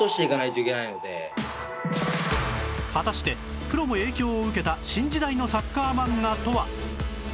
果たしてプロも影響を受けた新時代のサッカー漫画とは？